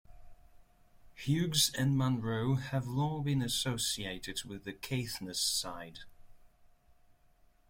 Hughes and Munro have long been associated with the Caithness side.